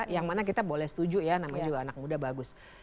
yang mana kita boleh setuju ya namanya juga anak muda bagus